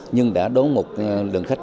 nhưng đã đóng một lượng khách